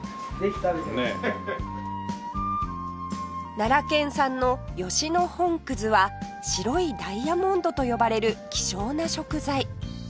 奈良県産の吉野本は白いダイヤモンドと呼ばれる希少な食材